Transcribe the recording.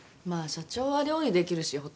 まあ社長は料理できるし。